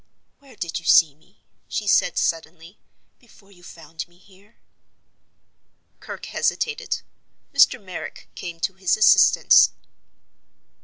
"Where did you see me," she said, suddenly, "before you found me here?" Kirke hesitated. Mr. Merrick came to his assistance.